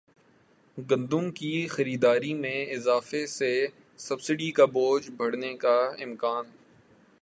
گندم کی خریداری میں اضافے سے سبسڈی کا بوجھ بڑھنے کا امکان